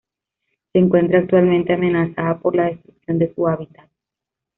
Se encuentra actualmente amenazada por la destrucción de su hábitat.